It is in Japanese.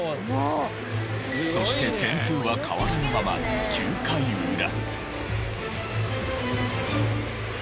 そして点数は変わらぬまま９回裏。